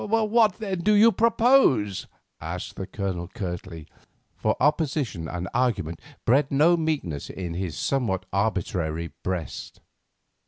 "What, then, do you propose?" asked the Colonel curtly, for opposition and argument bred no meekness in his somewhat arbitrary breast.